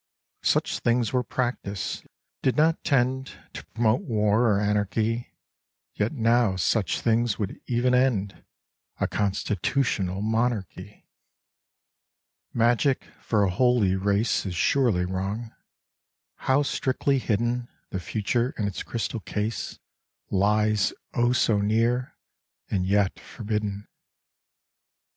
Such things were practised — did not tend To promote vvar or anarchy — Yet now such things would even end A Constitutional Monarchy. 31 Mrs. Frendenthal Consults the Witch of Endor. Magic for a holy race Is surely wrong ; how strictly hidden The future in its crystal case Lies (oh, so near) ! and yet forbidden.